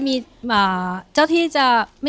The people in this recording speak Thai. นั่งบอกนะ